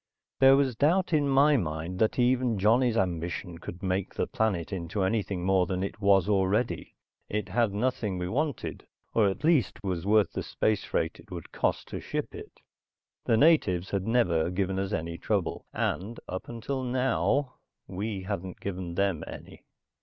There was doubt in my mind that even Johnny's ambition could make the planet into anything more than it was already. It had nothing we wanted, or at least was worth the space freight it would cost to ship it. The natives had never given us any trouble, and, up until now, we hadn't given them any.